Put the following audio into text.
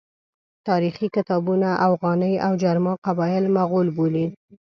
تاریخي کتابونه اوغاني او جرما قبایل مغول بولي.